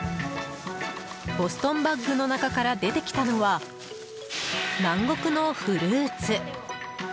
ボストンバックの中から出てきたのは南国のフルーツ。